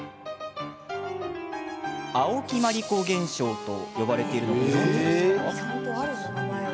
青木まりこ現象と呼ばれているのご存じですか？